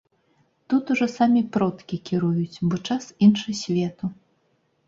Тут ужо самі продкі кіруюць, бо час іншасвету.